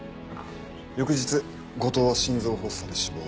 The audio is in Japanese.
翌日後藤は心臓発作で死亡。